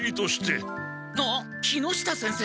あっ木下先生！？